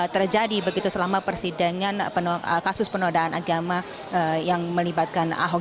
terjadi begitu selama persidangan kasus penodaan agama yang melibatkan ahok